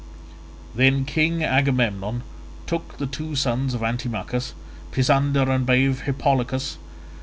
Then King Agamemnon took the two sons of Antimachus, Pisander and brave Hippolochus.